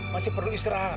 masih perlu istirahat